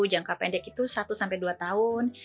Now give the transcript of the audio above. jangka pendek itu satu sampai dua tahun